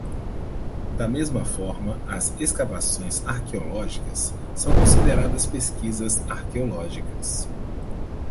Da mesma forma, as escavações arqueológicas são consideradas pesquisas arqueológicas.